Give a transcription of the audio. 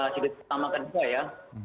jadi pertama kedua ya